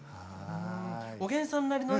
おげんさんなりのね